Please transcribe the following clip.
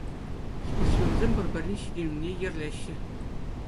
Спортсменсем пӗр-пӗрин ҫитӗнӗвне йӗрлеҫҫӗ.